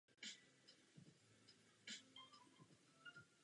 Převzetím haličského knížecího trůnu se stal pánem všech západních Rusů.